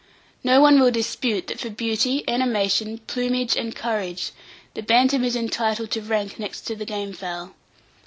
No one will dispute that for beauty, animation, plumage, and courage the Bantam is entitled to rank next to the game fowl.